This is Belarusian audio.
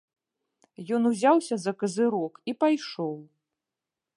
Ён узяўся за казырок і пайшоў.